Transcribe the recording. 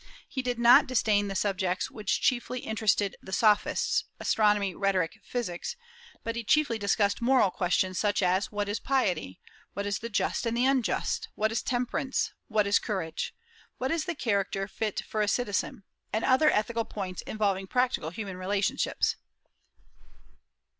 He did not disdain the subjects which chiefly interested the Sophists, astronomy, rhetoric, physics, but he chiefly discussed moral questions, such as, What is piety? What is the just and the unjust? What is temperance? What is courage? What is the character fit for a citizen? and other ethical points, involving practical human relationships.